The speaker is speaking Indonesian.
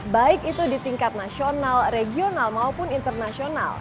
baik itu di tingkat nasional regional maupun internasional